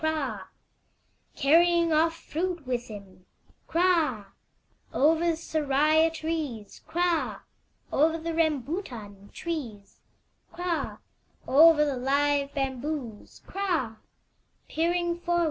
Carrying off fruit with him, Kra! Over the seraya trees, Kra! Over the rambutan trees, Kra! Over the live bamboos, Kra!